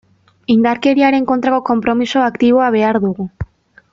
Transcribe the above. Indarkeriaren kontrako konpromiso aktiboa behar dugu.